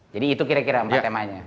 jadi itu kira kira empat temanya